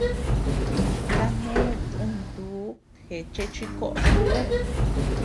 Kané düntuu jecheé chi koʼos ú.